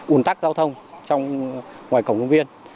ùn tắc giao thông trong ngoài cổng công viên